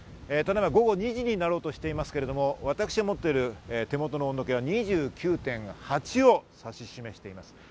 午後２時になろうとしていますけれども、私が持っている手元の温度計は２９．８を指し示しています。